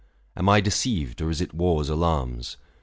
Am I deceived — or is it war's alar'ms